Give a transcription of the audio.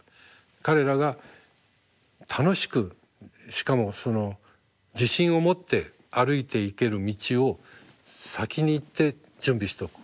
彼らが楽しくしかもその自信を持って歩いていける道を先に行って準備しておく。